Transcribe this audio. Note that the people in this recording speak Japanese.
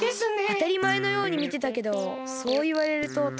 あたりまえのようにみてたけどそういわれるとたしかに。